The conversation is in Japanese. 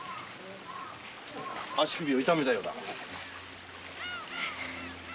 足首を痛めたようだ。